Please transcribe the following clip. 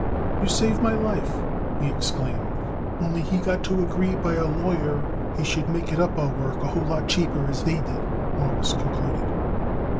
"You save my life!" he exclaimed. "Only he got to agree by a lawyer he should make it up our work a whole lot cheaper as they did," Morris concluded.